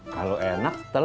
kalau enak telur dong